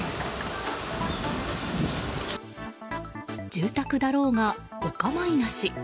住宅だろうが、お構いなし。